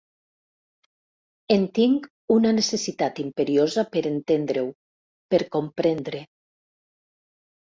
En tinc una necessitat imperiosa per entendre-ho, per comprendre.